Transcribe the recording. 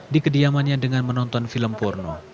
di kediamannya dengan menonton film porno